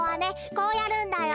こうやるんだよ。